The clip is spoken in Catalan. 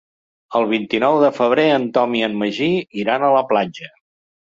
El vint-i-nou de febrer en Tom i en Magí iran a la platja.